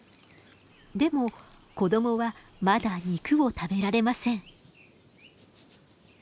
でも子供はまだ肉を食べられません。